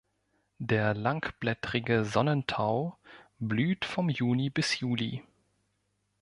Der Langblättrige Sonnentau blüht von Juni bis Juli.